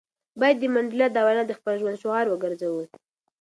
باید د منډېلا دا وینا د خپل ژوند شعار وګرځوو.